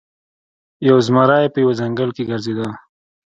یو زمری په یوه ځنګل کې ګرځیده.